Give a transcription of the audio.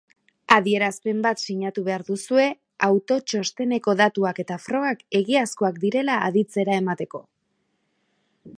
Adierazpen bat sinatu behar duzue autotxosteneko datuak eta frogak egiazkoak direla aditzera emateko.